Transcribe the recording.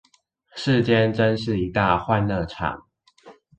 世間真是一大歡樂場